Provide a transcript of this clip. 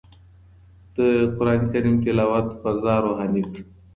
د قرآن تلاوت فضا روحاني کړه.